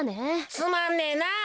つまんねえなあ。